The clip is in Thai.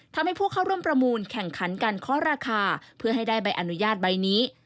ทำให้ผู้เข้าร่วมประมูลแข่งขันการเคาะราคาเพื่อให้ได้ใบอนุญาตใบนี้